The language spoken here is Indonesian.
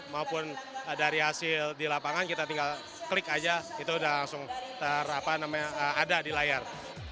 maupun dari hasil di lapangan kita tinggal klik aja itu udah langsung ada di layar